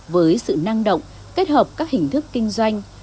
với sự năng động kết hợp các hình thức kinh doanh